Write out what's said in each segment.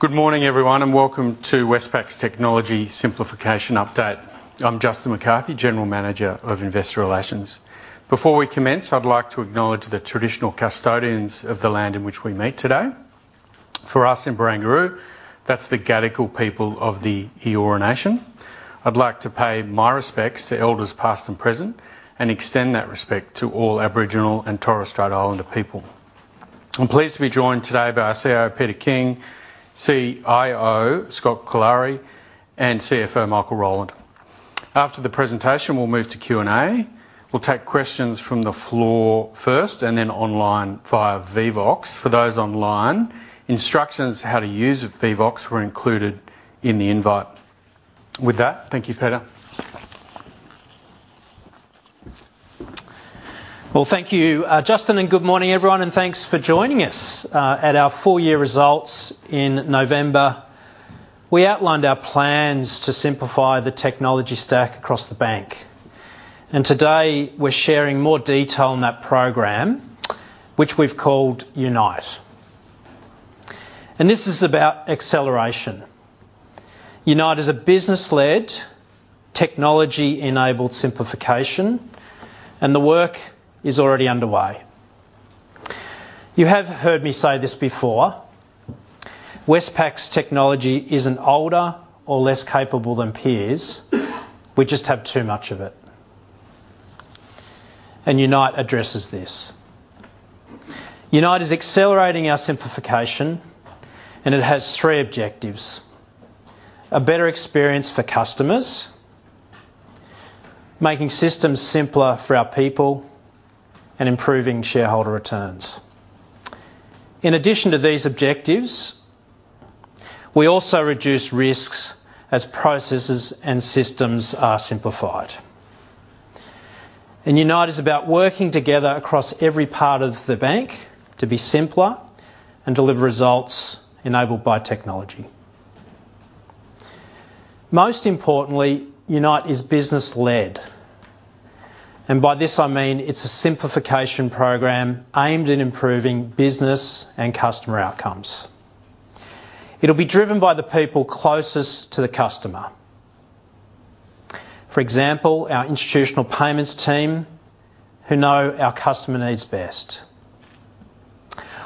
Good morning, everyone, and welcome to Westpac's Technology Simplification Update. I'm Justin McCarthy, General Manager of Investor Relations. Before we commence, I'd like to acknowledge the traditional custodians of the land in which we meet today. For us in Barangaroo, that's the Gadigal people of the Eora Nation. I'd like to pay my respects to elders past and present, and extend that respect to all Aboriginal and Torres Strait Islander people. I'm pleased to be joined today by our CEO, Peter King; CIO, Scott Collary; and CFO, Michael Rowland. After the presentation, we'll move to Q&A. We'll take questions from the floor first, and then online via Vevox. For those online, instructions how to use Vevox were included in the invite. With that, thank you, Peter. Well, thank you, Justin, and good morning, everyone, and thanks for joining us. At our four-year results in November, we outlined our plans to simplify the technology stack across the bank, and today we're sharing more detail on that program, which we've called UNITE. This is about acceleration. UNITE is a business-led, technology-enabled simplification, and the work is already underway. You have heard me say this before: Westpac's technology isn't older or less capable than peers. We just have too much of it. UNITE addresses this. UNITE is accelerating our simplification, and it has three objectives: a better experience for customers, making systems simpler for our people, and improving shareholder returns. In addition to these objectives, we also reduce risks as processes and systems are simplified. UNITE is about working together across every part of the bank to be simpler and deliver results enabled by technology. Most importantly, UNITE is business-led, and by this I mean it's a simplification program aimed at improving business and customer outcomes. It'll be driven by the people closest to the customer. For example, our institutional payments team who know our customer needs best,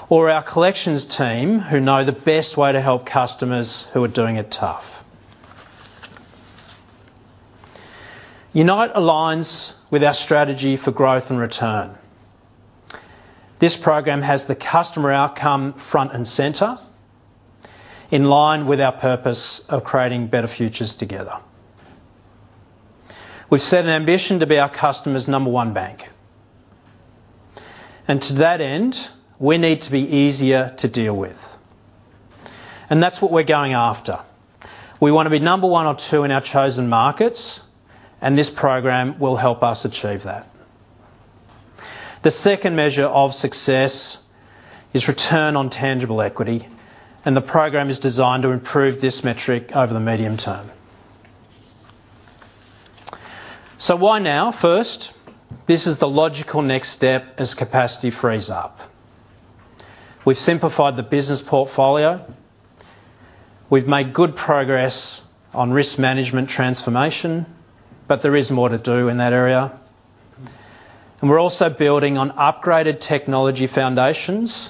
or our collections team who know the best way to help customers who are doing it tough. UNITE aligns with our strategy for growth and return. This program has the customer outcome front and center in line with our purpose of creating better futures together. We've set an ambition to be our customer's number one bank, and to that end, we need to be easier to deal with. And that's what we're going after. We want to be number one or two in our chosen markets, and this program will help us achieve that. The second measure of success is return on tangible equity, and the program is designed to improve this metric over the medium term. So why now? First, this is the logical next step as capacity frees up. We've simplified the business portfolio. We've made good progress on risk management transformation, but there is more to do in that area. And we're also building on upgraded technology foundations,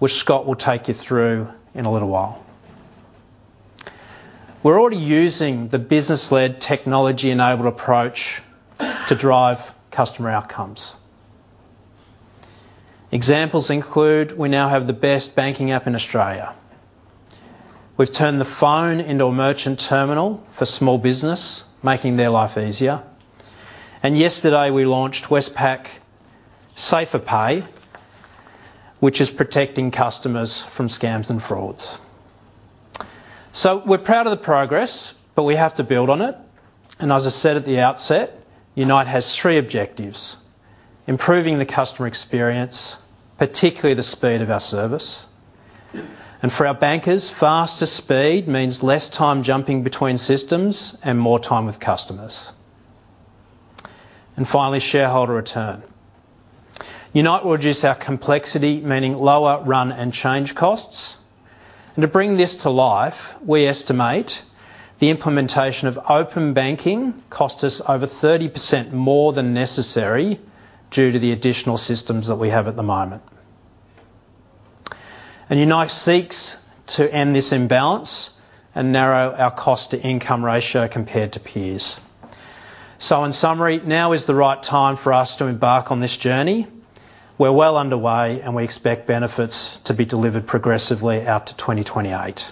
which Scott will take you through in a little while. We're already using the business-led, technology-enabled approach to drive customer outcomes. Examples include we now have the best banking app in Australia. We've turned the phone into a merchant terminal for small business, making their life easier. And yesterday, we launched Westpac SaferPay, which is protecting customers from scams and frauds. So we're proud of the progress, but we have to build on it. As I said at the outset, UNITE has three objectives: improving the customer experience, particularly the speed of our service. For our bankers, faster speed means less time jumping between systems and more time with customers. Finally, shareholder return. UNITE will reduce our complexity, meaning lower run and change costs. To bring this to life, we estimate the implementation of open banking costs us over 30% more than necessary due to the additional systems that we have at the moment. UNITE seeks to end this imbalance and narrow our cost-to-income ratio compared to peers. In summary, now is the right time for us to embark on this journey. We're well underway, and we expect benefits to be delivered progressively out to 2028.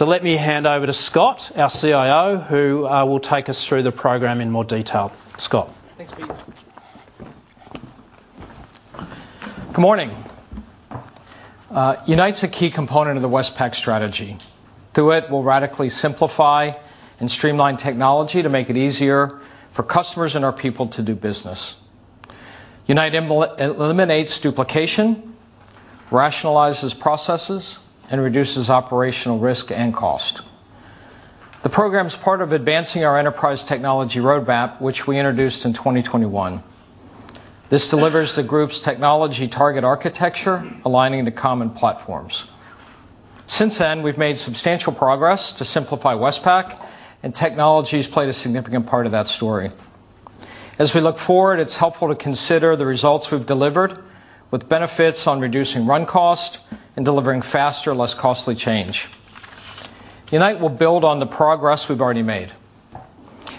Let me hand over to Scott, our CIO, who will take us through the program in more detail. Scott. Thanks, Pete.Good morning. UNITE's a key component of the Westpac strategy. Through it, we'll radically simplify and streamline technology to make it easier for customers and our people to do business. UNITE eliminates duplication, rationalizes processes, and reduces operational risk and cost. The program's part of advancing our enterprise technology roadmap, which we introduced in 2021. This delivers the group's technology target architecture, aligning the common platforms. Since then, we've made substantial progress to simplify Westpac, and technology's played a significant part of that story. As we look forward, it's helpful to consider the results we've delivered, with benefits on reducing run cost and delivering faster, less costly change. UNITE will build on the progress we've already made.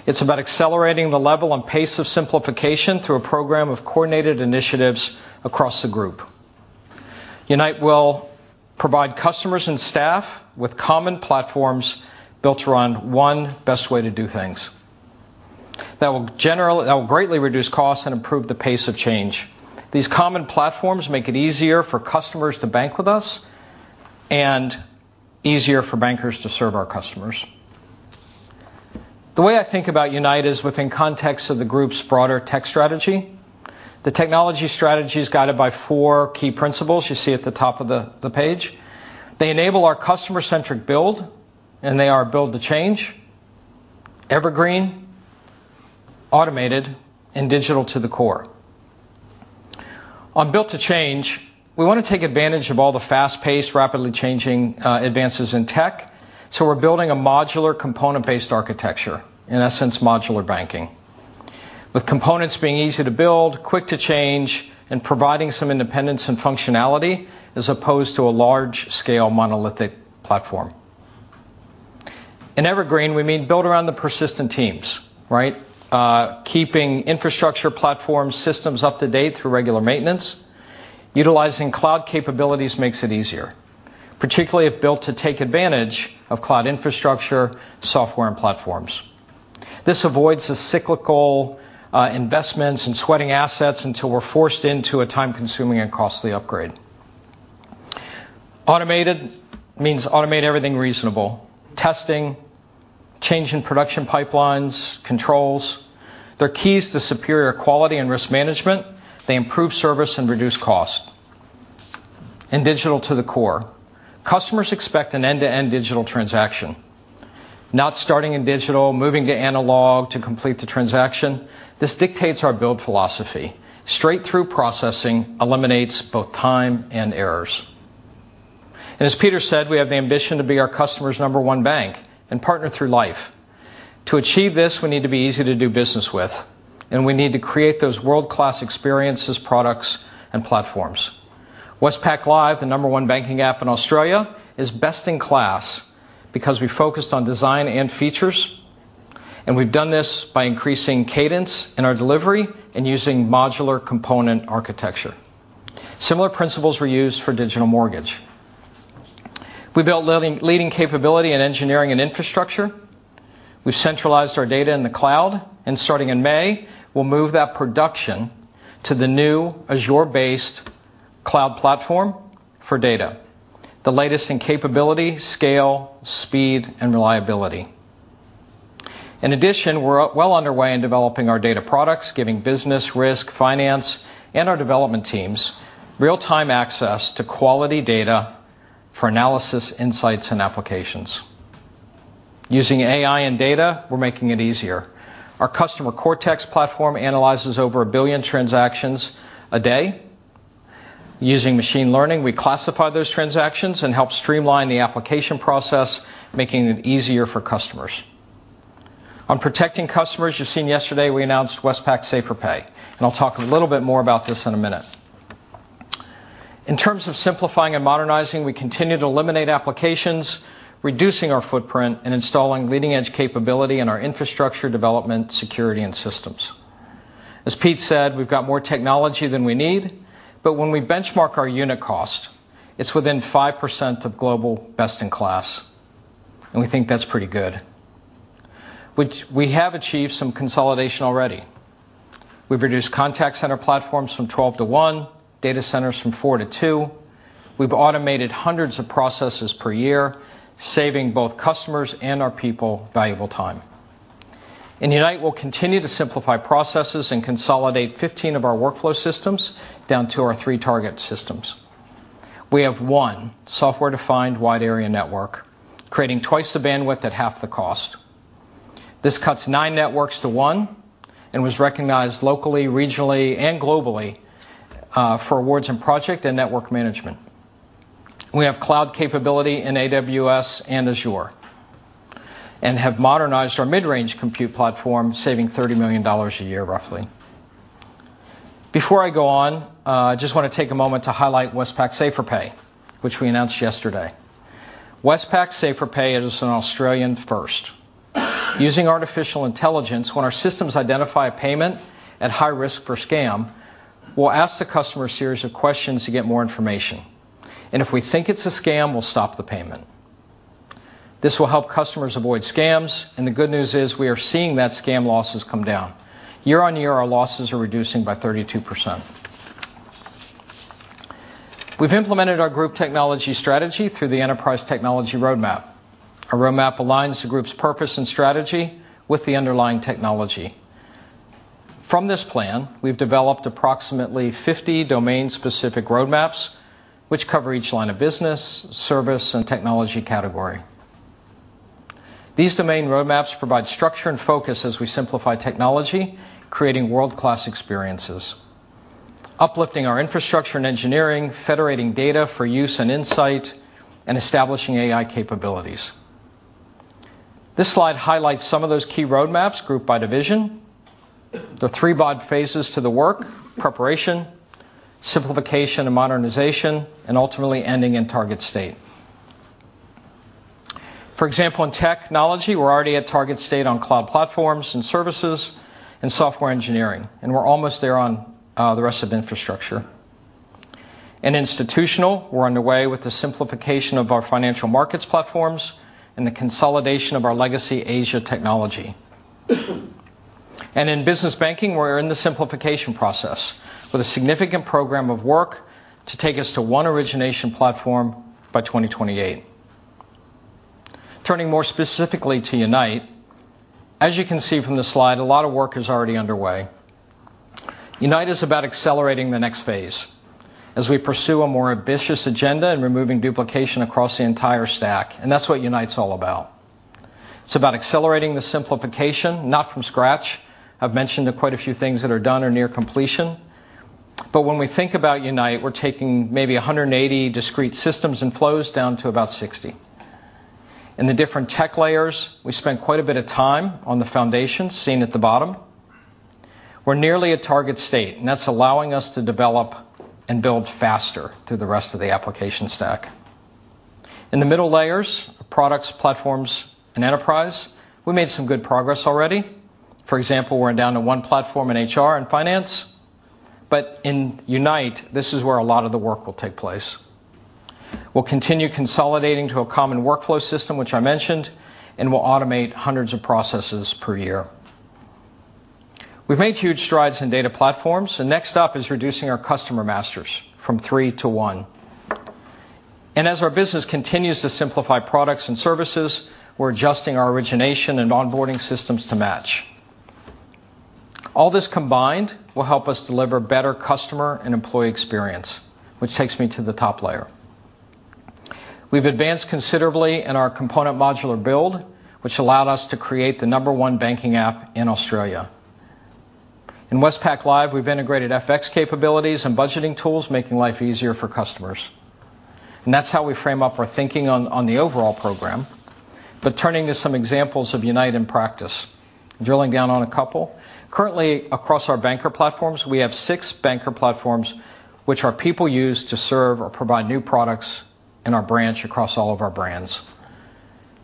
It's about accelerating the level and pace of simplification through a program of coordinated initiatives across the group. UNITE will provide customers and staff with common platforms built around one best way to do things. That will greatly reduce cost and improve the pace of change. These common platforms make it easier for customers to bank with us and easier for bankers to serve our customers. The way I think about UNITE is within context of the group's broader tech strategy. The technology strategy's guided by four key principles you see at the top of the page. They enable our customer-centric build, and they are Build to Change, Evergreen, Automated, and Digital to the Core. On Build to Change, we want to take advantage of all the fast-paced, rapidly changing advances in tech, so we're building a modular component-based architecture, in essence, modular banking, with components being easy to build, quick to change, and providing some independence and functionality as opposed to a large-scale, monolithic platform. In Evergreen, we mean built around the persistent teams, right? Keeping infrastructure platform systems up to date through regular maintenance. Utilizing cloud capabilities makes it easier, particularly if built to take advantage of cloud infrastructure, software, and platforms. This avoids the cyclical investments and sweating assets until we're forced into a time-consuming and costly upgrade. Automated means automate everything reasonable: testing, change in production pipelines, controls. They're keys to superior quality and risk management. They improve service and reduce cost. And Digital to the Core. Customers expect an end-to-end digital transaction. Not starting in digital, moving to analog to complete the transaction, this dictates our build philosophy. Straight-through processing eliminates both time and errors. And as Peter said, we have the ambition to be our customer's number one bank and partner through life. To achieve this, we need to be easy to do business with, and we need to create those world-class experiences, products, and platforms. Westpac Live, the number one banking app in Australia, is best-in-class because we focused on design and features, and we've done this by increasing cadence in our delivery and using modular component architecture. Similar principles were used for Digital Mortgage. We built leading capability in engineering and infrastructure. We've centralized our data in the cloud, and starting in May, we'll move that production to the new Azure-based cloud platform for data, the latest in capability, scale, speed, and reliability. In addition, we're well underway in developing our data products, giving business, risk, finance, and our development teams real-time access to quality data for analysis, insights, and applications. Using AI and data, we're making it easier. Our Customer Cortex platform analyzes over a billion transactions a day. Using machine learning, we classify those transactions and help streamline the application process, making it easier for customers. On protecting customers, you've seen yesterday we announced Westpac SaferPay, and I'll talk a little bit more about this in a minute. In terms of simplifying and modernizing, we continue to eliminate applications, reducing our footprint, and installing leading-edge capability in our infrastructure development, security, and systems. As Pete said, we've got more technology than we need, but when we benchmark our unit cost, it's within 5% of global best-in-class, and we think that's pretty good. We have achieved some consolidation already. We've reduced contact centre platforms from 12 to 1, data centres from 4 to 2. We've automated hundreds of processes per year, saving both customers and our people valuable time. In UNITE, we'll continue to simplify processes and consolidate 15 of our workflow systems down to our three target systems. We have one software-defined wide-area network, creating twice the bandwidth at half the cost. This cuts nine networks to one and was recognized locally, regionally, and globally for awards in project and network management. We have cloud capability in AWS and Azure and have modernized our mid-range compute platform, saving 30 million dollars a year, roughly. Before I go on, I just want to take a moment to highlight Westpac SaferPay, which we announced yesterday. Westpac SaferPay is an Australian first. Using artificial intelligence, when our systems identify a payment at high risk for scam, we'll ask the customer a series of questions to get more information. If we think it's a scam, we'll stop the payment. This will help customers avoid scams, and the good news is we are seeing that scam losses come down. Year-on-year, our losses are reducing by 32%. We've implemented our group technology strategy through the enterprise technology roadmap. Our roadmap aligns the group's purpose and strategy with the underlying technology. From this plan, we've developed approximately 50 domain-specific roadmaps, which cover each line of business, service, and technology category. These domain roadmaps provide structure and focus as we simplify technology, creating world-class experiences, uplifting our infrastructure and engineering, federating data for use and insight, and establishing AI capabilities. This slide highlights some of those key roadmaps grouped by division: the three broad phases to the work, preparation, simplification and modernization, and ultimately ending in target state. For example, in technology, we're already at target state on cloud platforms and services and software engineering, and we're almost there on the rest of infrastructure. Institutional, we're underway with the simplification of our financial markets platforms and the consolidation of our legacy Asia technology. In Business Banking, we're in the simplification process with a significant program of work to take us to one origination platform by 2028. Turning more specifically to UNITE, as you can see from the slide, a lot of work is already underway. UNITE is about accelerating the next phase as we pursue a more ambitious agenda in removing duplication across the entire stack, and that's what UNITE's all about. It's about accelerating the simplification, not from scratch. I've mentioned quite a few things that are done or near completion. But when we think about UNITE, we're taking maybe 180 discrete systems and flows down to about 60. In the different tech layers, we spent quite a bit of time on the foundations seen at the bottom. We're nearly at target state, and that's allowing us to develop and build faster through the rest of the application stack. In the middle layers, products, platforms, and enterprise, we made some good progress already. For example, we're down to one platform in HR and finance. But in UNITE, this is where a lot of the work will take place. We'll continue consolidating to a common workflow system, which I mentioned, and we'll automate hundreds of processes per year. We've made huge strides in data platforms, and next up is reducing our customer masters from three to one. As our business continues to simplify products and services, we're adjusting our origination and onboarding systems to match. All this combined will help us deliver better customer and employee experience, which takes me to the top layer. We've advanced considerably in our component modular build, which allowed us to create the number 1 banking app in Australia. In Westpac Live, we've integrated FX capabilities and budgeting tools, making life easier for customers. That's how we frame up our thinking on the overall program, but turning to some examples of UNITE in practice, drilling down on a couple. Currently, across our banker platforms, we have 6 banker platforms, which our people use to serve or provide new products in our branch across all of our brands.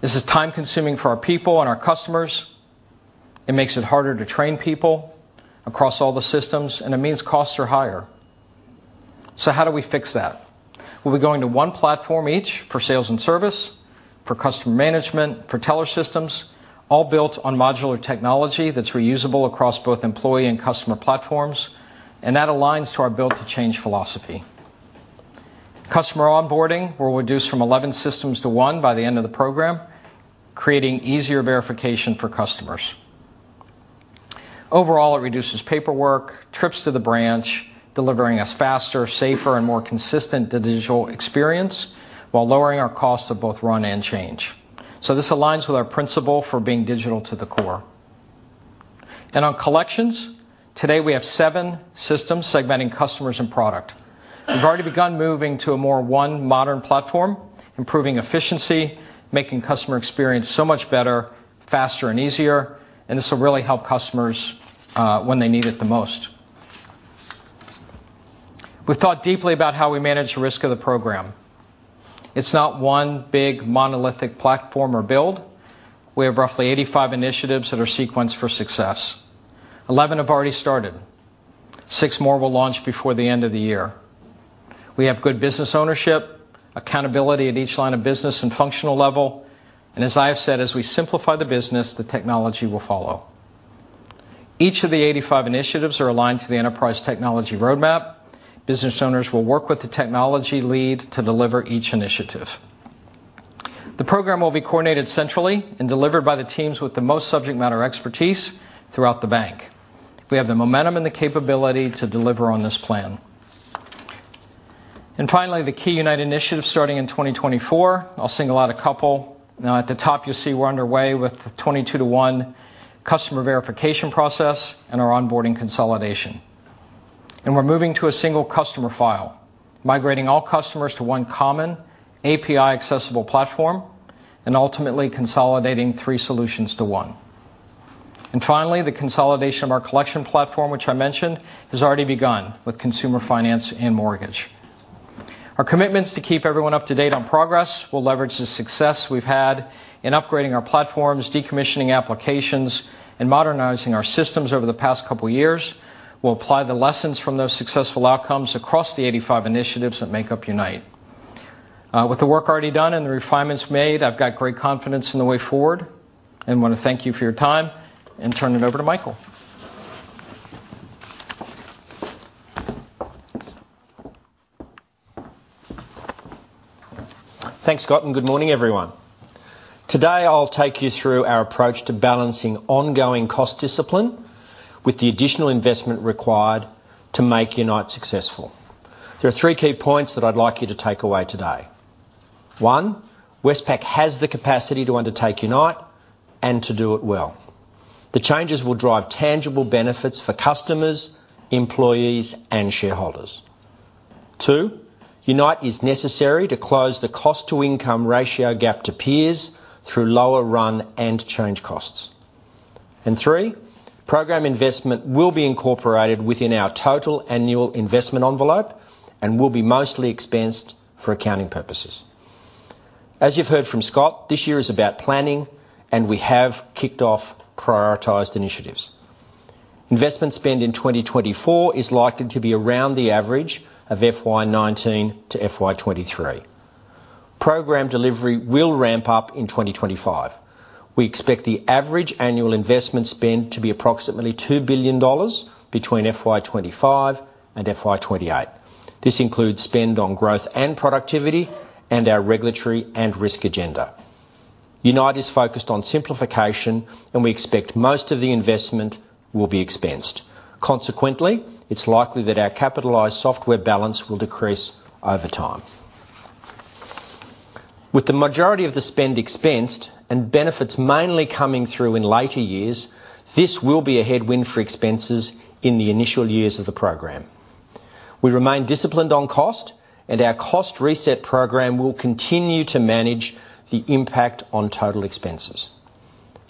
This is time-consuming for our people and our customers. It makes it harder to train people across all the systems, and it means costs are higher. So how do we fix that? We'll be going to 1 platform each for sales and service, for customer management, for teller systems, all built on modular technology that's reusable across both employee and customer platforms, and that aligns to our Build to Change philosophy. Customer onboarding, we'll reduce from 11 systems to 1 by the end of the program, creating easier verification for customers. Overall, it reduces paperwork, trips to the branch, delivering us faster, safer, and more consistent digital experience while lowering our cost of both run and change. So this aligns with our principle for being Digital to the Core. And on collections, today we have 7 systems segmenting customers and product. We've already begun moving to a more modern platform, improving efficiency, making customer experience so much better, faster, and easier, and this will really help customers when they need it the most. We've thought deeply about how we manage the risk of the program. It's not one big monolithic platform or build. We have roughly 85 initiatives that are sequenced for success. 11 have already started. 6 more will launch before the end of the year. We have good business ownership, accountability at each line of business and functional level, and as I have said, as we simplify the business, the technology will follow. Each of the 85 initiatives are aligned to the enterprise technology roadmap. Business owners will work with the technology lead to deliver each initiative. The program will be coordinated centrally and delivered by the teams with the most subject matter expertise throughout the bank. We have the momentum and the capability to deliver on this plan. Finally, the key UNITE initiative starting in 2024, I'll single out a couple. Now, at the top, you'll see we're underway with the 22-to-1 customer verification process and our onboarding consolidation. We're moving to a single customer file, migrating all customers to one common API-accessible platform, and ultimately consolidating three solutions to one. Finally, the consolidation of our collection platform, which I mentioned, has already begun with consumer finance and mortgage. Our commitments to keep everyone up to date on progress will leverage the success we've had in upgrading our platforms, decommissioning applications, and modernizing our systems over the past couple of years. We'll apply the lessons from those successful outcomes across the 85 initiatives that make up UNITE. With the work already done and the refinements made, I've got great confidence in the way forward and want to thank you for your time. Turn it over to Michael. Thanks, Scott. Good morning, everyone. Today, I'll take you through our approach to balancing ongoing cost discipline with the additional investment required to make UNITE successful. There are three key points that I'd like you to take away today. One, Westpac has the capacity to undertake UNITE and to do it well. The changes will drive tangible benefits for customers, employees, and shareholders. Two, UNITE is necessary to close the cost-to-income ratio gap to peers through lower run and change costs. And three, program investment will be incorporated within our total annual investment envelope and will be mostly expensed for accounting purposes. As you've heard from Scott, this year is about planning, and we have kicked off prioritized initiatives. Investment spend in 2024 is likely to be around the average of FY19 to FY23. Program delivery will ramp up in 2025. We expect the average annual investment spend to be approximately 2 billion dollars between FY25 and FY28. This includes spend on growth and productivity and our regulatory and risk agenda. UNITE is focused on simplification, and we expect most of the investment will be expensed. Consequently, it's likely that our capitalized software balance will decrease over time. With the majority of the spend expensed and benefits mainly coming through in later years, this will be a headwind for expenses in the initial years of the program. We remain disciplined on cost, and our Cost Reset program will continue to manage the impact on total expenses.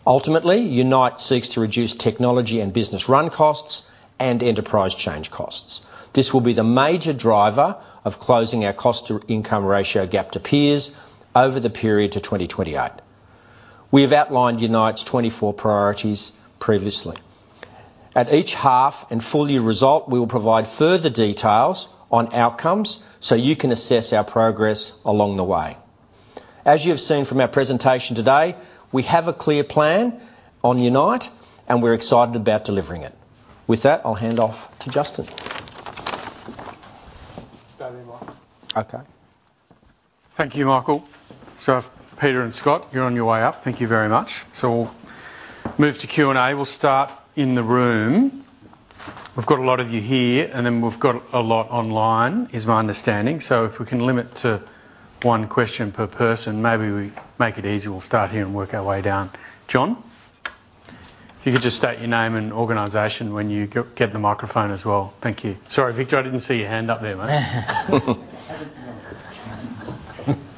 Ultimately, UNITE seeks to reduce technology and business run costs and enterprise change costs. This will be the major driver of closing our cost-to-income ratio gap to peers over the period to 2028. We have outlined UNITE's 24 priorities previously. At each half and full-year result, we will provide further details on outcomes so you can assess our progress along the way. As you have seen from our presentation today, we have a clear plan on UNITE, and we're excited about delivering it. With that, I'll hand off to Justin. Starting one. Okay. Thank you, Michael. So I've Peter and Scott, you're on your way up. Thank you very much. So we'll move to Q&A. We'll start in the room. We've got a lot of you here, and then we've got a lot online, is my understanding. So if we can limit to one question per person, maybe we make it easy. We'll start here and work our way down. John, if you could just state your name and organization when you get the microphone as well. Thank you. Sorry, Victor, I didn't see your hand up there, mate.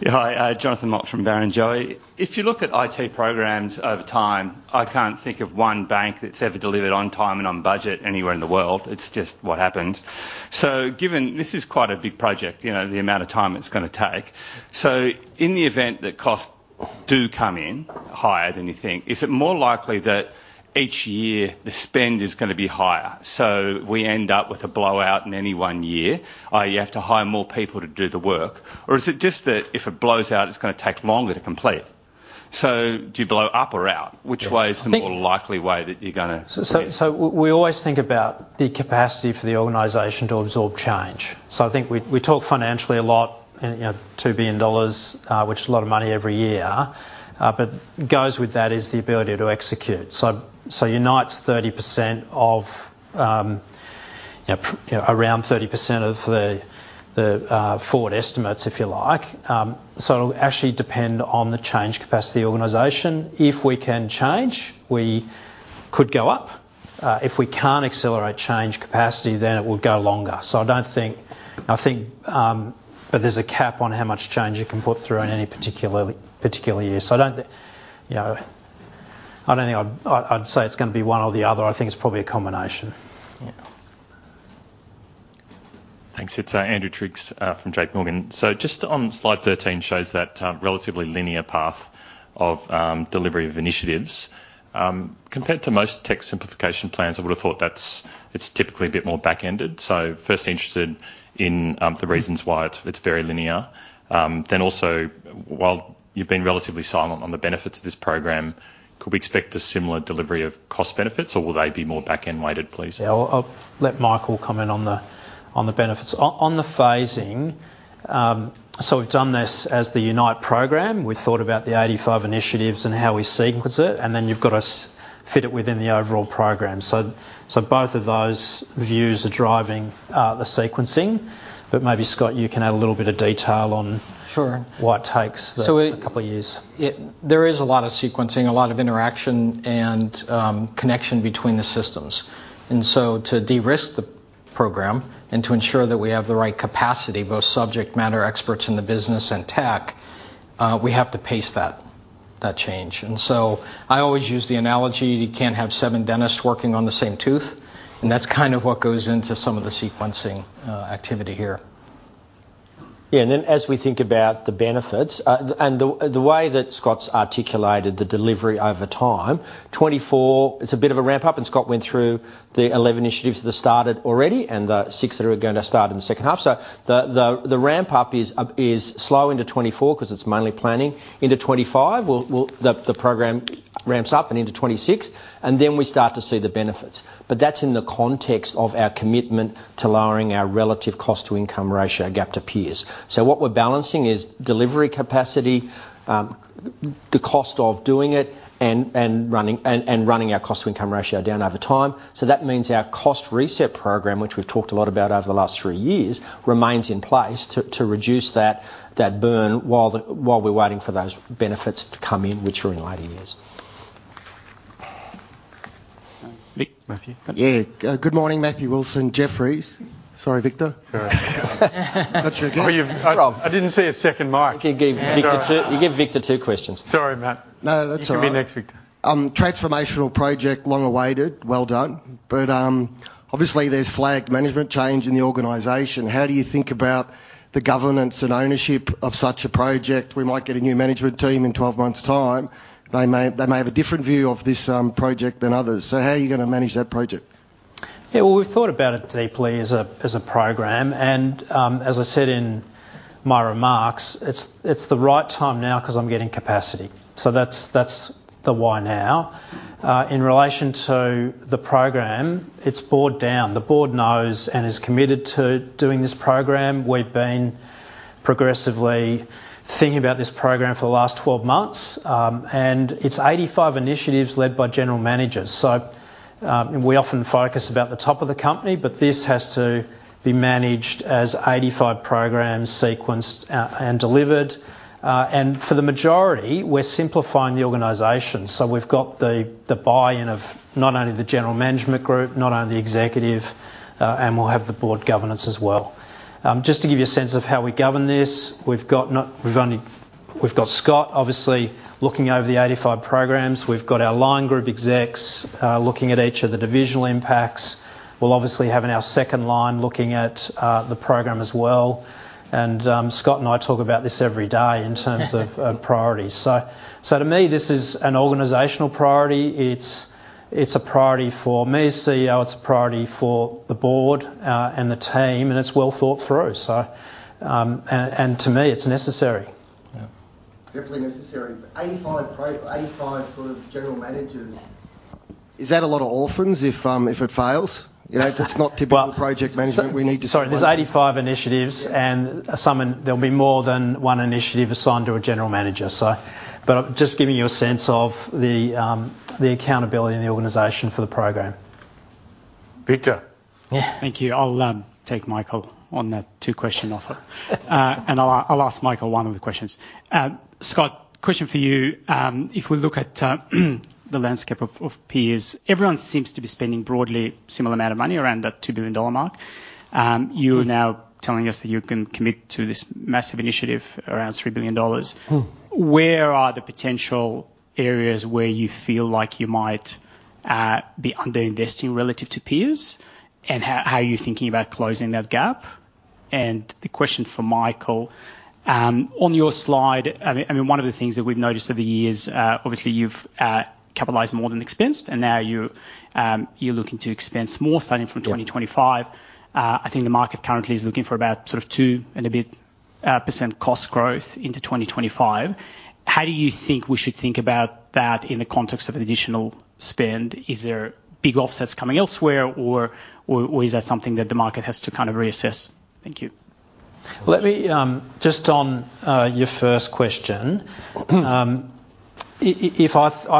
Hi, Jonathan Mott from Barrenjoey. If you look at IT programs over time, I can't think of one bank that's ever delivered on time and on budget anywhere in the world. It's just what happens. So given this is quite a big project, the amount of time it's going to take. So in the event that costs do come in higher than you think, is it more likely that each year the spend is going to be higher so we end up with a blowout in any one year, i.e., you have to hire more people to do the work, or is it just that if it blows out, it's going to take longer to complete? So do you blow up or out? Which way is the more likely way that you're going to? So we always think about the capacity for the organization to absorb change. So I think we talk financially a lot, 2 billion dollars, which is a lot of money every year, but goes with that is the ability to execute. So UNITE's 30% of around 30% of the forward estimates, if you like. So it'll actually depend on the change capacity of the organization. If we can change, we could go up. If we can't accelerate change capacity, then it will go longer. So I don't think but there's a cap on how much change you can put through in any particular year. So I don't think I'd say it's going to be one or the other. I think it's probably a combination. Thanks. It's Andrew Triggs from J.P. Morgan. So just on Slide 13 shows that relatively linear path of delivery of initiatives. Compared to most tech simplification plans, I would have thought it's typically a bit more back-ended. So first, interested in the reasons why it's very linear. Then also, while you've been relatively silent on the benefits of this program, could we expect a similar delivery of cost benefits, or will they be more back-end weighted, please? Yeah. I'll let Michael comment on the benefits. On the phasing, we've done this as the UNITE program. We've thought about the 85 initiatives and how we sequence it, and then you've got to fit it within the overall program. Both of those views are driving the sequencing. Maybe, Scott, you can add a little bit of detail on what takes the couple of years. So there is a lot of sequencing, a lot of interaction, and connection between the systems. To de-risk the program and to ensure that we have the right capacity, both subject matter experts in the business and tech, we have to pace that change. I always use the analogy that you can't have seven dentists working on the same tooth, and that's kind of what goes into some of the sequencing activity here. Yeah. Then as we think about the benefits and the way that Scott's articulated the delivery over time, 2024, it's a bit of a ramp-up, and Scott went through the 11 initiatives that have started already and the 6 that are going to start in the second half. The ramp-up is slow into 2024 because it's mainly planning. Into 2025, the program ramps up, and into 2026, and then we start to see the benefits. That's in the context of our commitment to lowering our relative cost-to-income ratio gap to peers. What we're balancing is delivery capacity, the cost of doing it, and running our cost-to-income ratio down over time. That means our Cost Reset program, which we've talked a lot about over the last three years, remains in place to reduce that burn while we're waiting for those benefits to come in, which are in later years. Vic, Matthew, good. Yeah. Good morning, Matthew Wilson, Jefferies. Sorry, Victor. Got you again. Oh, you have. I didn't see a second mic. Okay. You give Victor two questions. Sorry, Matt. No, that's all right. You can be next, Victor. Transformational project, long awaited. Well done. But obviously, there's flagged management change in the organization. How do you think about the governance and ownership of such a project? We might get a new management team in 12 months' time. They may have a different view of this project than others. So how are you going to manage that project? Yeah. Well, we've thought about it deeply as a program. As I said in my remarks, it's the right time now because I'm getting capacity. So that's the why now. In relation to the program, it's board down. The board knows and is committed to doing this program. We've been progressively thinking about this program for the last 12 months. And it's 85 initiatives led by general managers. So we often focus about the top of the company, but this has to be managed as 85 programs sequenced and delivered. And for the majority, we're simplifying the organization. So we've got the buy-in of not only the general management group, not only the executive, and we'll have the board governance as well. Just to give you a sense of how we govern this, we've got Scott obviously looking over the 85 programs. We've got our line group execs looking at each of the divisional impacts. We'll obviously have in our second line looking at the program as well. And Scott and I talk about this every day in terms of priorities. So to me, this is an organizational priority. It's a priority for me as CEO. It's a priority for the board and the team, and it's well thought through. And to me, it's necessary. Definitely necessary. 85 or so general managers, is that a lot of orphans if it fails? It's not typical project management. We need to see that. Sorry. There's 85 initiatives, and there'll be more than one initiative assigned to a general manager. But just giving you a sense of the accountability in the organization for the program. Victor. Thank you. I'll take Michael on that two-question offer. I'll ask Michael one of the questions. Scott, question for you. If we look at the landscape of peers, everyone seems to be spending broadly a similar amount of money around that 2 billion dollar mark. You're now telling us that you can commit to this massive initiative around 3 billion dollars. Where are the potential areas where you feel like you might be underinvesting relative to peers, and how are you thinking about closing that gap? The question for Michael. On your slide, I mean, one of the things that we've noticed over the years, obviously, you've capitalised more than expensed, and now you're looking to expense more starting from 2025. I think the market currently is looking for about sort of 2 and a bit % cost growth into 2025. How do you think we should think about that in the context of additional spend? Is there big offsets coming elsewhere, or is that something that the market has to kind of reassess? Thank you. Let me just on your first question. I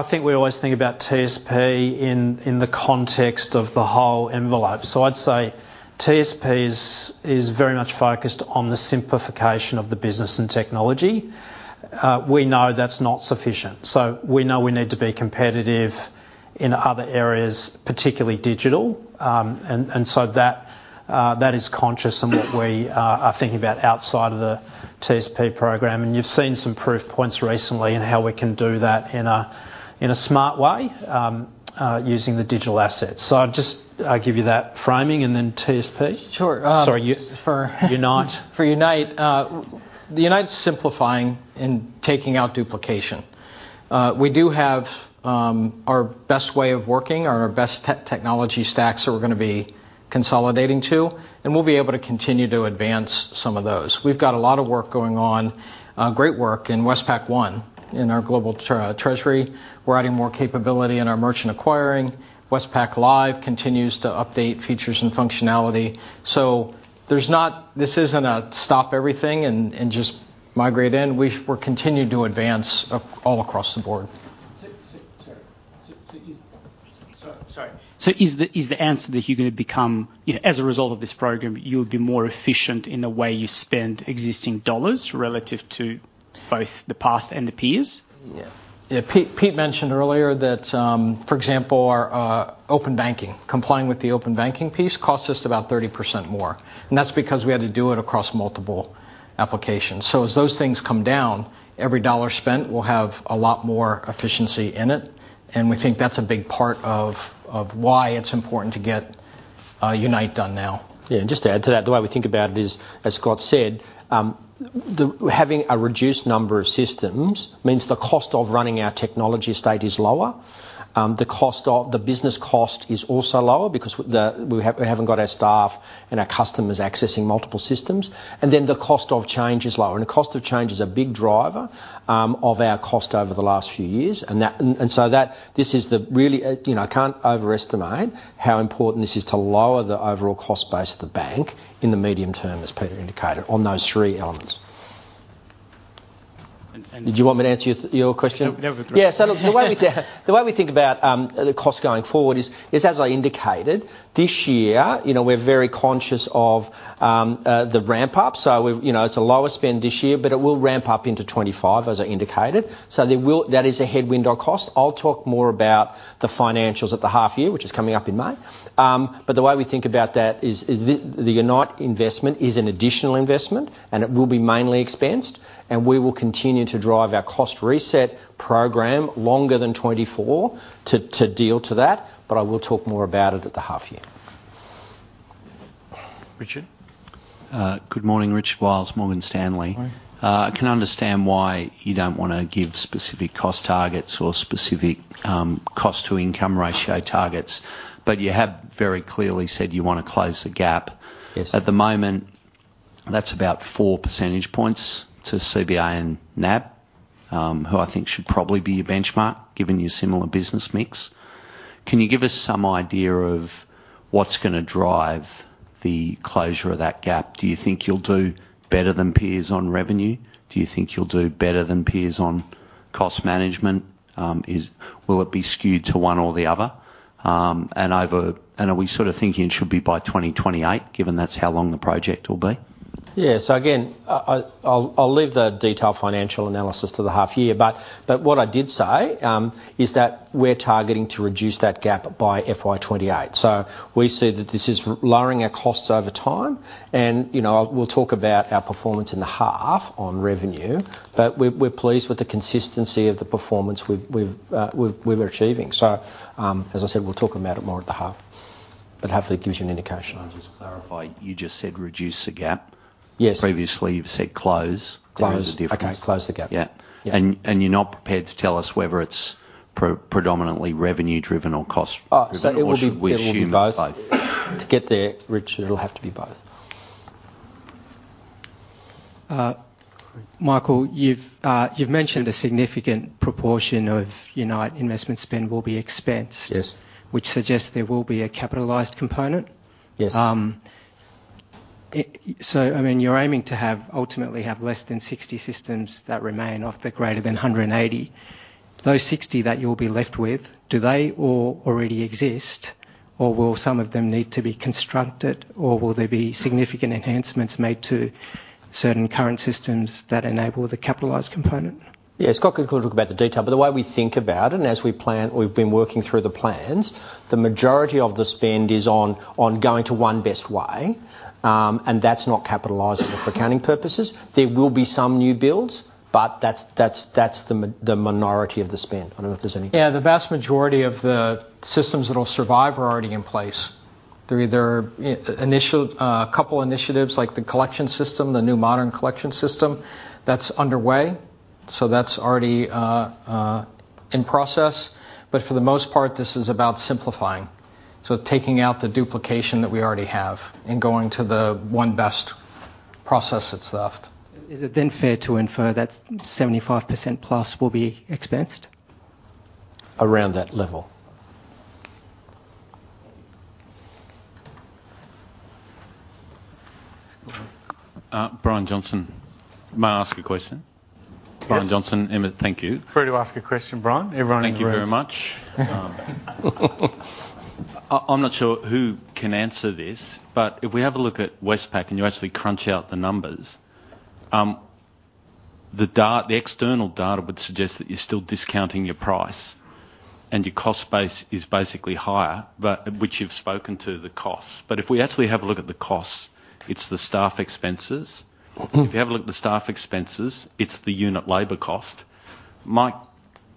think we always think about TSP in the context of the whole envelope. So I'd say TSP is very much focused on the simplification of the business and technology. We know that's not sufficient. So we know we need to be competitive in other areas, particularly digital. And so that is conscious in what we are thinking about outside of the TSP program. And you've seen some proof points recently in how we can do that in a smart way using the digital assets. So I'll give you that framing, and then TSP. Sorry, UNITE. For UNITE, UNITE's simplifying and taking out duplication. We do have our best way of working, our best technology stacks that we're going to be consolidating to, and we'll be able to continue to advance some of those. We've got a lot of work going on, great work, in Westpac One in our global treasury. We're adding more capability in our merchant acquiring. Westpac Live continues to update features and functionality. So this isn't a stop everything and just migrate in. We'll continue to advance all across the board. Sorry. Sorry. Is the answer that you're going to become as a result of this program, you'll be more efficient in the way you spend existing dollars relative to both the past and the peers? Yeah. Pete mentioned earlier that, for example, complying with the Open banking piece costs us about 30% more. And that's because we had to do it across multiple applications. So as those things come down, every dollar spent will have a lot more efficiency in it. And we think that's a big part of why it's important to get UNITE done now. Yeah. Just to add to that, the way we think about it is, as Scott said, having a reduced number of systems means the cost of running our technology state is lower. The business cost is also lower because we haven't got our staff and our customers accessing multiple systems. Then the cost of change is lower. The cost of change is a big driver of our cost over the last few years. So this is really, I can't overestimate how important this is to lower the overall cost base of the bank in the medium term, as Peter indicated, on those three elements. Did you want me to answer your question? No, that was a great question. Yeah. So the way we think about the cost going forward is, as I indicated, this year, we're very conscious of the ramp-up. So it's a lower spend this year, but it will ramp up into 2025, as I indicated. So that is a headwind on cost. I'll talk more about the financials at the half-year, which is coming up in May. But the way we think about that is the UNITE investment is an additional investment, and it will be mainly expensed. And we will continue to drive our Cost Reset program longer than 2024 to deal to that. But I will talk more about it at the half-year. Richard? Good morning, Richard Wiles. Morgan Stanley. I can understand why you don't want to give specific cost targets or specific cost-to-income ratio targets, but you have very clearly said you want to close the gap. At the moment, that's about 4 percentage points to CBA and NAB, who I think should probably be your benchmark given your similar business mix. Can you give us some idea of what's going to drive the closure of that gap? Do you think you'll do better than peers on revenue? Do you think you'll do better than peers on cost management? Will it be skewed to one or the other? And are we sort of thinking it should be by 2028, given that's how long the project will be? Yeah. So again, I'll leave the detailed financial analysis to the half-year. But what I did say is that we're targeting to reduce that gap by FY28. So we see that this is lowering our costs over time. And we'll talk about our performance in the half on revenue, but we're pleased with the consistency of the performance we're achieving. So as I said, we'll talk about it more at the half. But hopefully, it gives you an indication. I'll just clarify. You just said reduce the gap. Previously, you've said close. What is the difference? Close. Okay. Close the gap. Yeah. And you're not prepared to tell us whether it's predominantly revenue-driven or cost-driven? Or should we assume it's both? To get there, Richard, it'll have to be both. Michael, you've mentioned a significant proportion of UNITE investment spend will be expensed, which suggests there will be a capitalised component. So I mean, you're aiming to ultimately have less than 60 systems that remain of the greater than 180. Those 60 that you'll be left with, do they already exist, or will some of them need to be constructed, or will there be significant enhancements made to certain current systems that enable the capitalised component? Yeah. Scott could talk about the detail. But the way we think about it, and as we've been working through the plans, the majority of the spend is on going to one best way, and that's not capitalizable for accounting purposes. There will be some new builds, but that's the minority of the spend. I don't know if there's any. Yeah. The vast majority of the systems that'll survive are already in place. There are a couple of initiatives like the collection system, the new modern collection system. That's underway. So that's already in process. But for the most part, this is about simplifying, so taking out the duplication that we already have and going to the one best process that's left. Is it then fair to infer that 75% plus will be expensed? Around that level. Brian Johnson. May I ask a question? Brian Johnson. Limit, Thank you. It's fair to ask a question, Brian. Everyone in the room. Thank you very much. I'm not sure who can answer this, but if we have a look at Westpac and you actually crunch out the numbers, the external data would suggest that you're still discounting your price, and your cost base is basically higher, which you've spoken to, the costs. But if we actually have a look at the costs, it's the staff expenses. If you have a look at the staff expenses, it's the unit labor cost. Mike,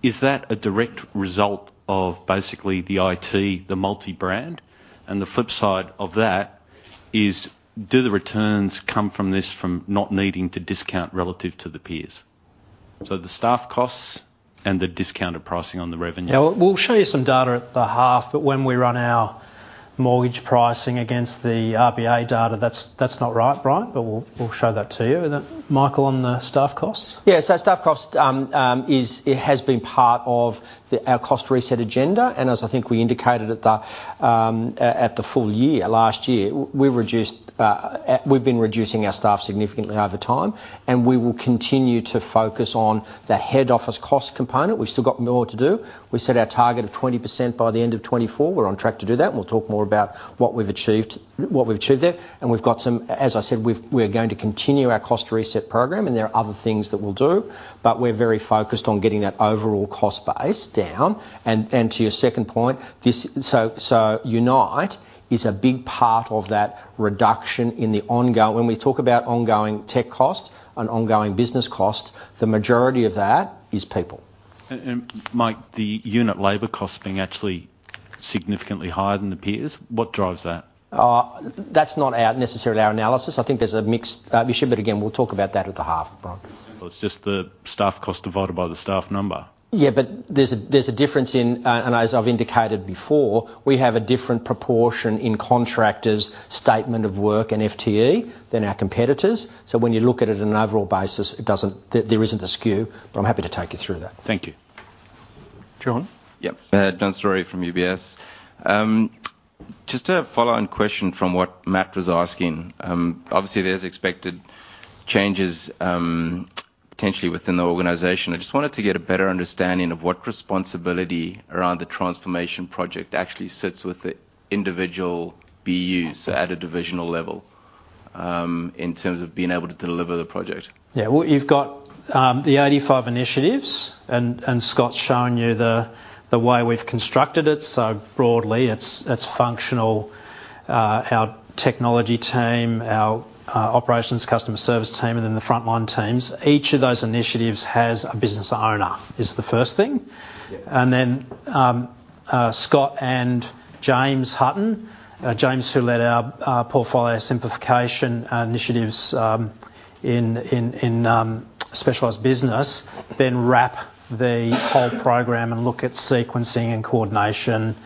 is that a direct result of basically the IT, the multi-brand? And the flip side of that is, do the returns come from this from not needing to discount relative to the peers? So the staff costs and the discounted pricing on the revenue. Yeah. We'll show you some data at the half, but when we run our mortgage pricing against the RBA data, that's not right, Brian. But we'll show that to you. Michael, on the staff costs? Yeah. So staff costs, it has been part of our cost reset agenda. As I think we indicated at the full year last year, we've been reducing our staff significantly over time. We will continue to focus on the head office cost component. We've still got more to do. We set our target of 20% by the end of 2024. We're on track to do that. We'll talk more about what we've achieved there. As I said, we're going to continue our Cost Reset program, and there are other things that we'll do. But we're very focused on getting that overall cost base down. To your second point, so UNITE is a big part of that reduction in the ongoing when we talk about ongoing tech cost and ongoing business cost, the majority of that is people. Mike, the unit labor costs being actually significantly higher than the peers, what drives that? That's not necessarily our analysis. I think there's a mixed issue, but again, we'll talk about that at the half, Brian. It's just the staff cost divided by the staff number. Yeah. But there's a difference in, and as I've indicated before, we have a different proportion in contractors, statement of work and FTE than our competitors. So when you look at it on an overall basis, there isn't a skew. But I'm happy to take you through that. Thank you. John? Yep. John Storey from UBS. Just a follow-on question from what Matt was asking. Obviously, there's expected changes potentially within the organization. I just wanted to get a better understanding of what responsibility around the transformation project actually sits with the individual BU, so at a divisional level, in terms of being able to deliver the project. Yeah. Well, you've got the 85 initiatives, and Scott's shown you the way we've constructed it. So broadly, it's functional, our technology team, our operations, customer service team, and then the frontline teams. Each of those initiatives has a business owner, is the first thing. And then Scott and James Hutton, James who led our portfolio simplification initiatives in Specialized Business, then wrap the whole program and look at sequencing and coordination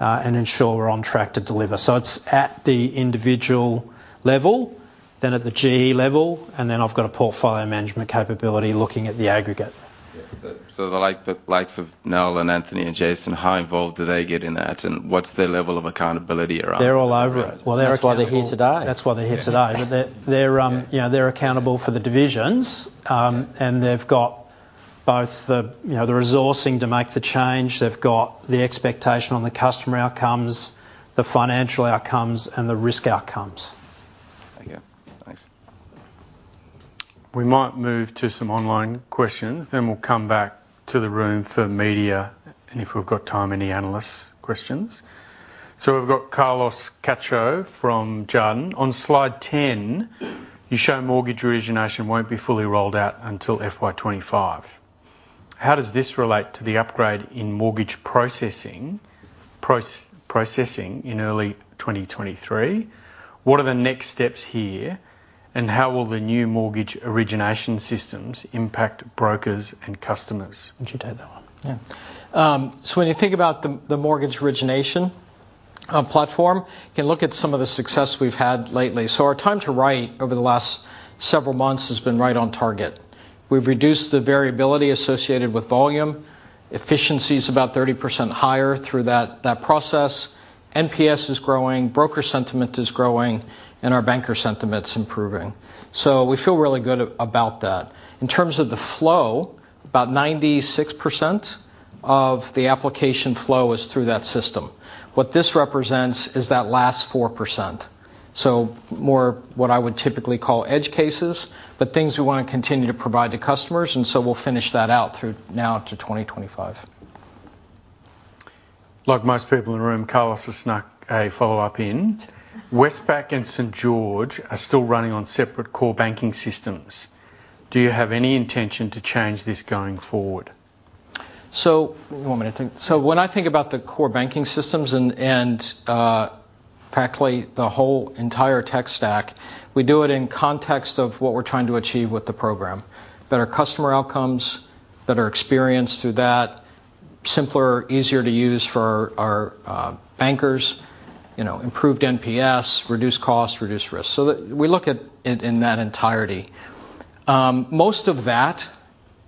and ensure we're on track to deliver. So it's at the individual level, then at the GE level, and then I've got a portfolio management capability looking at the aggregate. Yeah. So the likes of Nell and Anthony and Jason, how involved do they get in that? And what's their level of accountability around that? They're all over it. Well, that's why they're here today. That's why they're here today. But they're accountable for the divisions, and they've got both the resourcing to make the change. They've got the expectation on the customer outcomes, the financial outcomes, and the risk outcomes. Okay. Thanks. We might move to some online questions. Then we'll come back to the room for media, and if we've got time, any analyst questions. So we've got Carlos Cacho from Jarden. On Slide 10, you show mortgage origination won't be fully rolled out until FY25. How does this relate to the upgrade in mortgage processing in early 2023? What are the next steps here, and how will the new mortgage origination systems impact brokers and customers? Would you take that one? Yeah. So when you think about the mortgage origination platform, you can look at some of the success we've had lately. So our time to write over the last several months has been right on target. We've reduced the variability associated with volume. Efficiency's about 30% higher through that process. NPS is growing. Broker sentiment is growing. And our banker sentiment's improving. So we feel really good about that. In terms of the flow, about 96% of the application flow is through that system. What this represents is that last 4%, so more what I would typically call edge cases, but things we want to continue to provide to customers. And so we'll finish that out now to 2025. Like most people in the room, Carlos has snuck a follow-up in. Westpac and St.George are still running on separate core banking systems. Do you have any intention to change this going forward? So you want me to think? So when I think about the core banking systems and practically the whole entire tech stack, we do it in context of what we're trying to achieve with the program: better customer outcomes, better experience through that, simpler, easier to use for our bankers, improved NPS, reduced cost, reduced risk. So we look at it in that entirety. Most of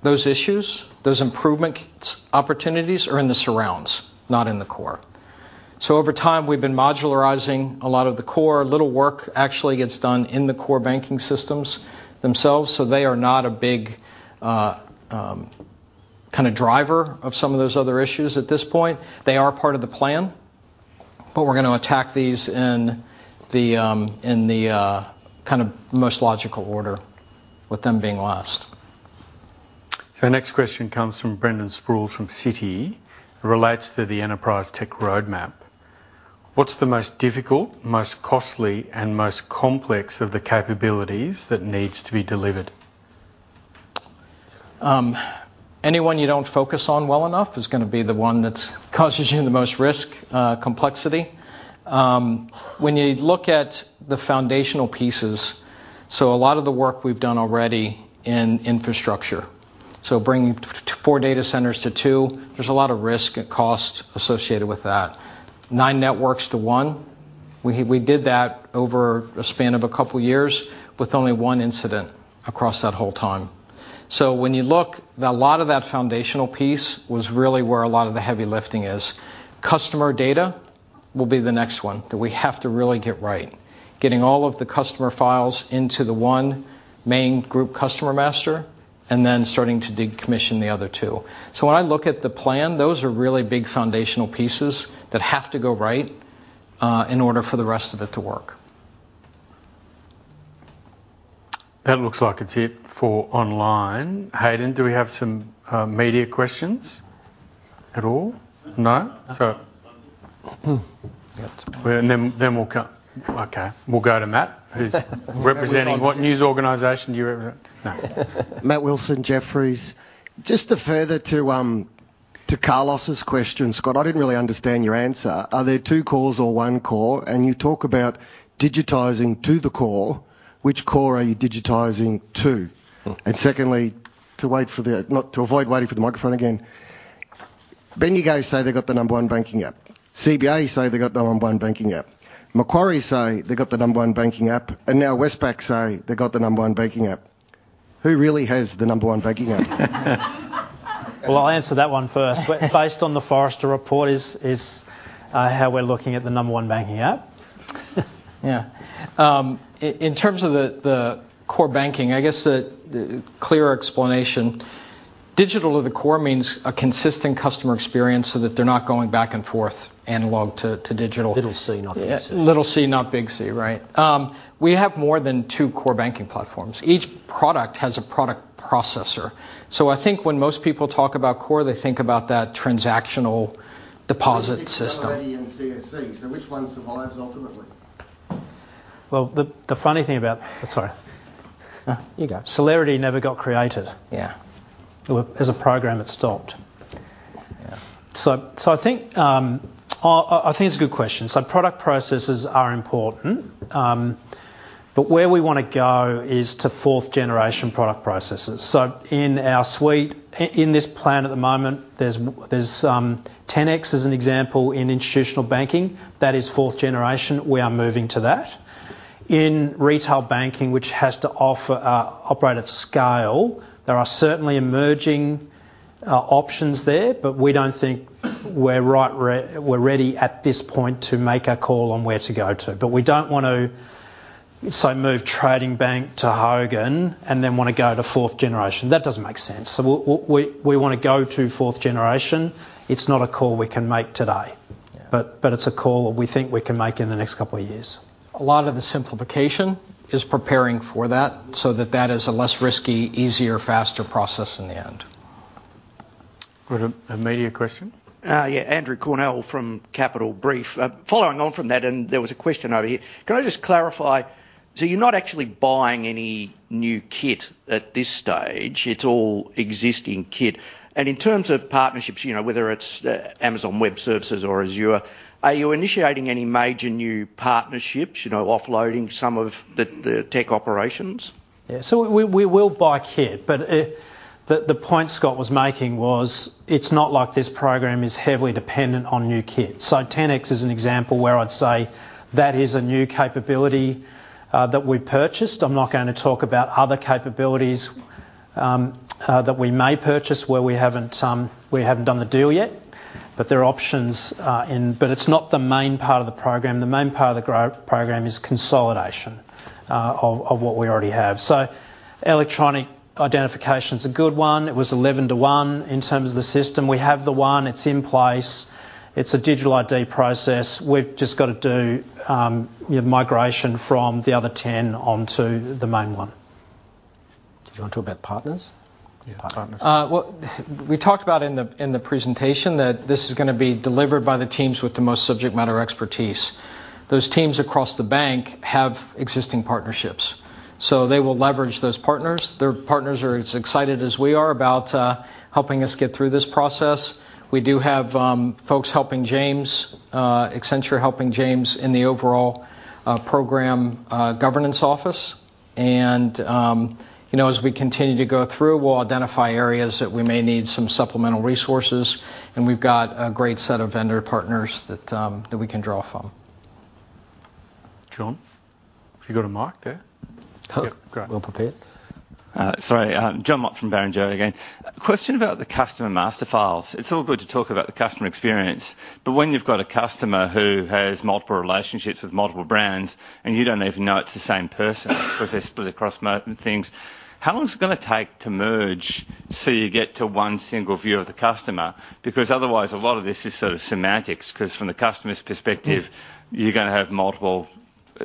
those issues, those improvement opportunities, are in the surrounds, not in the core. So over time, we've been modularizing a lot of the core. Little work actually gets done in the core banking systems themselves, so they are not a big kind of driver of some of those other issues at this point. They are part of the plan, but we're going to attack these in the kind of most logical order, with them being last. Our next question comes from Brendan Sproules from Citi. It relates to the enterprise tech roadmap. What's the most difficult, most costly, and most complex of the capabilities that needs to be delivered? Anyone you don't focus on well enough is going to be the one that causes you the most risk complexity. When you look at the foundational pieces, so a lot of the work we've done already in infrastructure, so bringing 4 data centers to 2, there's a lot of risk and cost associated with that. 9 networks to 1, we did that over a span of a couple of years with only 1 incident across that whole time. So when you look, a lot of that foundational piece was really where a lot of the heavy lifting is. Customer data will be the next one that we have to really get right, getting all of the customer files into the one main group customer master and then starting to decommission the other 2. When I look at the plan, those are really big foundational pieces that have to go right in order for the rest of it to work. That looks like it's it for online. Hayden, do we have some media questions at all? No? So. Yeah. It's fine. And then we'll cut, okay. We'll go to Matt, who's representing what news organization do you represent? No. Matthew Wilson, Jefferies. Just to further to Carlos's question, Scott, I didn't really understand your answer. Are there two cores or one core? And you talk about digitizing to the core. Which core are you digitizing to? And secondly, to avoid waiting for the microphone again, Bendigo say they've got the number one banking app. CBA say they've got the number one banking app. Macquarie say they've got the number one banking app. And now Westpac say they've got the number one banking app. Who really has the number one banking app? Well, I'll answer that one first. Based on the Forrester report is how we're looking at the number one banking app. Yeah. In terms of the core banking, I guess a clearer explanation, Digital to the Core means a consistent customer experience so that they're not going back and forth analog to digital. Little C, not Big C. Yeah. Little C, not Big C, right? We have more than two core banking platforms. Each product has a product processor. So I think when most people talk about core, they think about that transactional deposit system. Hogan and CSC. So which one survives ultimately? Well, the funny thing about sorry. Huh? You go. Celeriti never got created. As a program, it stopped. So I think it's a good question. So product processes are important. But where we want to go is to fourth-generation product processes. So in this plan at the moment, there's 10x as an example in institutional banking. That is fourth generation. We are moving to that. In retail banking, which has to operate at scale, there are certainly emerging options there, but we don't think we're ready at this point to make our call on where to go to. But we don't want to, say, move the bank to Hogan and then want to go to fourth generation. That doesn't make sense. So we want to go to fourth generation. It's not a call we can make today, but it's a call we think we can make in the next couple of years. A lot of the simplification is preparing for that so that that is a less risky, easier, faster process in the end. Got a media question? Yeah. Andrew Cornell from Capital Brief. Following on from that, and there was a question over here, can I just clarify? So you're not actually buying any new kit at this stage. It's all existing kit. And in terms of partnerships, whether it's Amazon Web Services or Azure, are you initiating any major new partnerships, offloading some of the tech operations? Yeah. So we will buy kit. But the point Scott was making was it's not like this program is heavily dependent on new kit. So 10x is an example where I'd say that is a new capability that we purchased. I'm not going to talk about other capabilities that we may purchase where we haven't done the deal yet. But there are options in, but it's not the main part of the program. The main part of the program is consolidation of what we already have. So electronic identification's a good one. It was 11:1 in terms of the system. We have the one. It's in place. It's a digital ID process. We've just got to do migration from the other 10 onto the main one. Did you want to talk about partners? Yeah. Partners. Well, we talked about in the presentation that this is going to be delivered by the teams with the most subject matter expertise. Those teams across the bank have existing partnerships. So they will leverage those partners. Their partners are as excited as we are about helping us get through this process. We do have folks helping James, Accenture helping James in the overall program governance office. And as we continue to go through, we'll identify areas that we may need some supplemental resources. And we've got a great set of vendor partners that we can draw from. John? Have you got a mic there? Hope. Yeah. Go ahead. We'll prepare it. Sorry. Jonathan Mott from Barrenjoey again. Question about the customer master files. It's all good to talk about the customer experience, but when you've got a customer who has multiple relationships with multiple brands and you don't even know it's the same person because they're split across things, how long is it going to take to merge so you get to one single view of the customer? Because otherwise, a lot of this is sort of semantics because from the customer's perspective, you're going to have multiple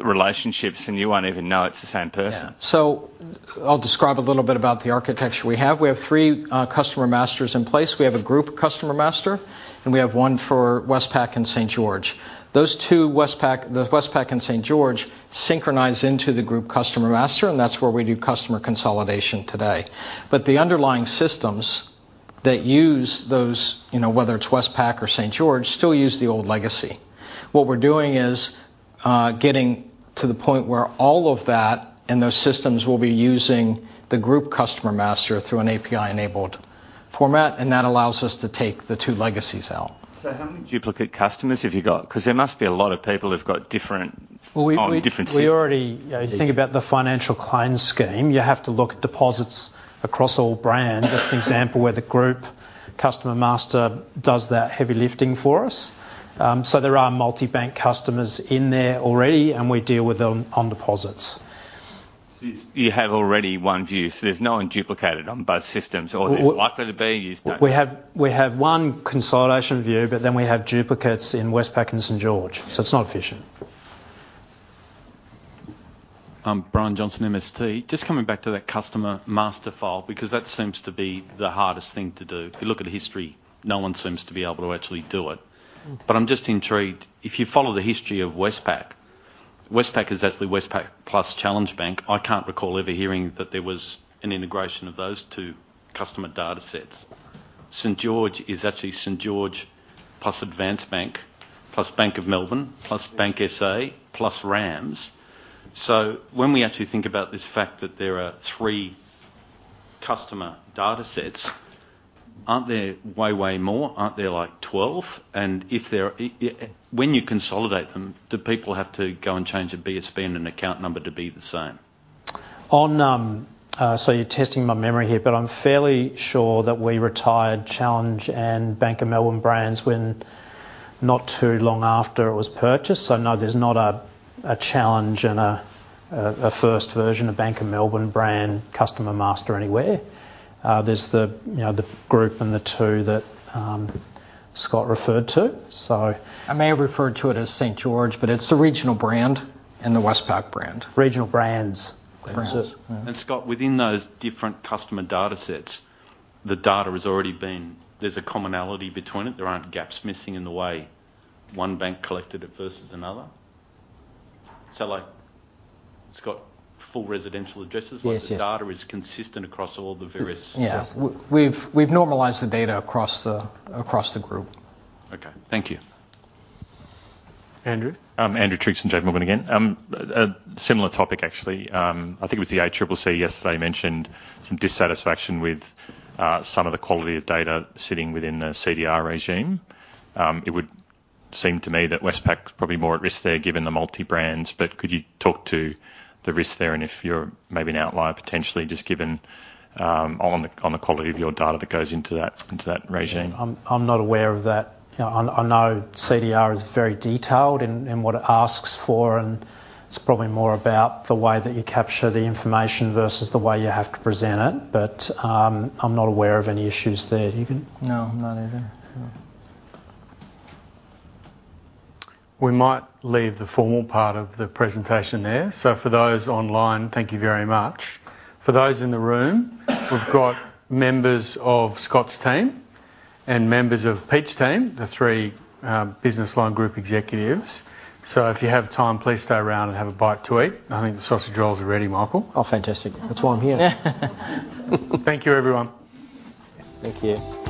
relationships and you won't even know it's the same person. Yeah. So I'll describe a little bit about the architecture we have. We have three customer masters in place. We have a group customer master, and we have one for Westpac and St.George. Those Westpac and St.George synchronize into the group customer master, and that's where we do customer consolidation today. But the underlying systems that use those, whether it's Westpac or St.George, still use the old legacy. What we're doing is getting to the point where all of that and those systems will be using the group customer master through an API-enabled format, and that allows us to take the two legacies out. So how many duplicate customers have you got? Because there must be a lot of people who've got different on different systems. Well, we already think about the Financial Clients Scheme. You have to look at deposits across all brands. That's an example where the group customer master does that heavy lifting for us. So there are multi-bank customers in there already, and we deal with them on deposits. You have already one view. So there's no one duplicated on both systems, or there's likely to be? You just don't know? We have one consolidation view, but then we have duplicates in Westpac and St.George. So it's not efficient. I'm Brian Johnson, MST. Just coming back to that customer master file because that seems to be the hardest thing to do. If you look at the history, no one seems to be able to actually do it. But I'm just intrigued. If you follow the history of Westpac, Westpac is actually Westpac plus Challenge Bank. I can't recall ever hearing that there was an integration of those two customer datasets. St.George is actually St.George plus Advance Bank plus Bank of Melbourne plus BankSA plus RAMS. So when we actually think about this fact that there are three customer datasets, aren't there way, way more? Aren't there like 12? And when you consolidate them, do people have to go and change a BSB and an account number to be the same? So you're testing my memory here, but I'm fairly sure that we retired Challenge and Bank of Melbourne brands not too long after it was purchased. So no, there's not a Challenge and a first version of Bank of Melbourne brand customer master anywhere. There's the group and the two that Scott referred to, so. I may have referred to it as St.George, but it's the regional brand and the Westpac brand. Regional brands. Brands. Yeah. Scott, within those different customer datasets, the data has already been, there's a commonality between it. There aren't gaps missing in the way one bank collected it versus another? So it's got full residential addresses? Yes. Like the data is consistent across all the various? Yeah. We've normalized the data across the group. Okay. Thank you. Andrew? Andrew Triggs in J.P. Morgan again. Similar topic, actually. I think it was the ACCC yesterday mentioned some dissatisfaction with some of the quality of data sitting within the CDR regime. It would seem to me that Westpac's probably more at risk there given the multi-brands, but could you talk to the risk there and if you're maybe an outlier potentially, just given on the quality of your data that goes into that regime? I'm not aware of that. I know CDR is very detailed in what it asks for, and it's probably more about the way that you capture the information versus the way you have to present it. But I'm not aware of any issues there. You can? No, not even. No. We might leave the formal part of the presentation there. For those online, thank you very much. For those in the room, we've got members of Scott's team and members of Pete's team, the three business loan group executives. If you have time, please stay around and have a bite to eat. I think the sausage rolls are ready, Michael. Oh, fantastic. That's why I'm here. Thank you, everyone. Thank you.